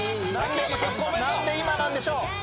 何で今なんでしょう？